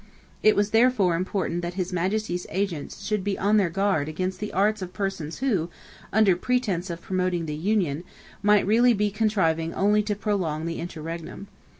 It was therefore important that His Majesty's agents should be on their guard against the arts of persons who, under pretence of promoting the union, might really be contriving only to prolong the interregnum.